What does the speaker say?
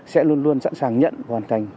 sẽ luôn luôn sẵn sàng nhận hoàn thành